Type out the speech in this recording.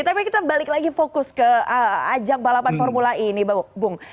tapi kita balik lagi fokus ke ajang balapan formula e ini bung